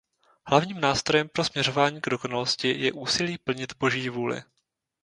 Hlavním nástrojem pro směřování k dokonalosti je úsilí plnit Boží vůli.